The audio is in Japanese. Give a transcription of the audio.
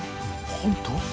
本当？